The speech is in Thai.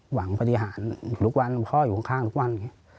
หวังพฤษฐานทุกวันเพราะอยู่ข้างทุกวัน